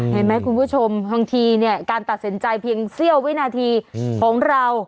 เห็นไหมคุณผู้ชมบางทีเนี่ยการตัดสินใจเพียงเสี้ยววินาทีของเรา